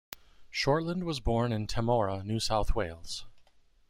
Shortland was born in Temora, New South Wales.